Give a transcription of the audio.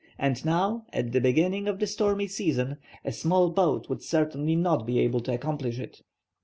And now, at the beginning of the stormy season, a small boat would certainly not be able to accomplish it.